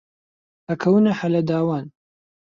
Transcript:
ئەکەونە هەلە داوان